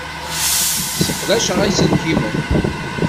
Sseqdaceɣ iselkimen.